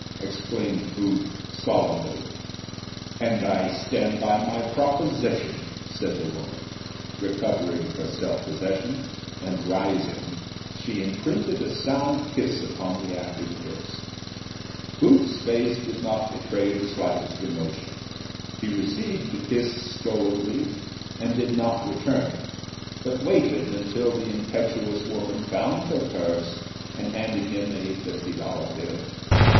exclaimed Booth, solemnly. "And I stand by my proposition," said the woman, recovering her self possession, and, rising, she imprinted a sound kiss upon the actor's lips. Booth's face did not betray the slightest emotion. He received the kiss stolidly, and did not return it, but waited until the impetuous woman found her purse and handed him a fifty dollar bill.